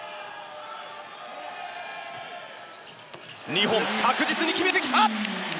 ２本、確実に決めてきた！